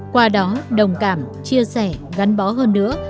qua đó đồng cảm chia sẻ gắn bó hơn nữa